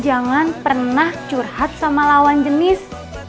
jangan pernah curhat sama lawan jenis